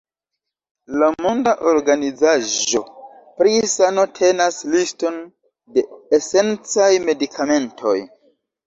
La Monda Organizaĵo pri Sano tenas liston de esencaj medikamentoj.